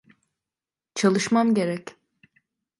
Çalışmam gerek.